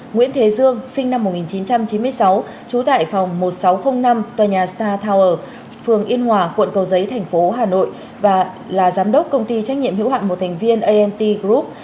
nguyễn thế dương sinh năm một nghìn chín trăm chín mươi sáu trú tại phòng một nghìn sáu trăm linh năm tòa nhà star tower phường yên hòa quận cầu giấy thành phố hà nội và là giám đốc công ty trách nhiệm hữu hạn một thành viên ant group